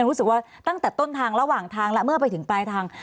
รู้สึกว่าตั้งแต่ต้นทางระหว่างทางแล้วเมื่อไปถึงปลายทาง